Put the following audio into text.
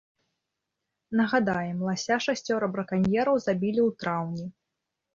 Нагадаем, лася шасцёра браканьераў забілі ў траўні.